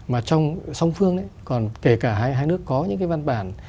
mà trong song phương còn kể cả hai nước có những văn bản